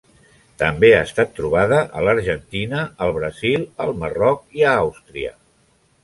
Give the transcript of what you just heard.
També ha estat trobada a l'Argentina, al Brasil, al Marroc i a Àustria.